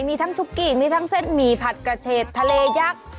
มีทั้งซุกกี้มีทั้งเส้นหมี่ผัดกระเฉดทะเลยักษ์